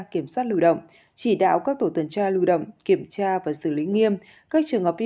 kiểm soát lưu động chỉ đạo các tổ tuần tra lưu động kiểm tra và xử lý nghiêm các trường hợp vi